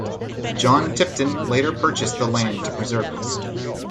John Tipton later purchased the land to preserve it.